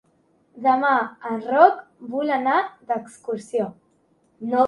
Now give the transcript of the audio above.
Demà en Roc vol anar d'excursió.